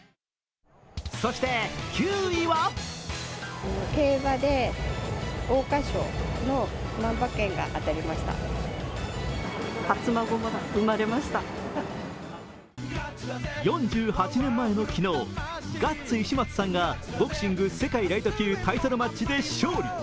そして９位は４８年前の昨日、ガッツ石松さんがボクシング世界ライト級タイトルマッチで勝利。